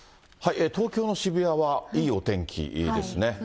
東京の渋谷はいいお天気ですね。